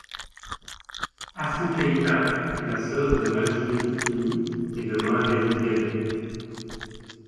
Affou keita est la sœur de Madjéné Fitini et de Mohamed Diaby.